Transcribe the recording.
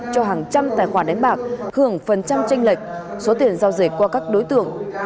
cho hàng trăm tài khoản đánh bạc hưởng phần trăm tranh lệch số tiền giao dịch qua các đối tượng